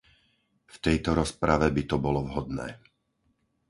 V tejto rozprave by to bolo vhodné.